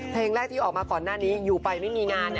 เพลงแรกที่ออกมาก่อนหน้านี้อยู่ไปไม่มีงาน